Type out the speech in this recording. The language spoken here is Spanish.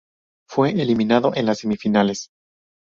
Fue eliminado en las semifinales.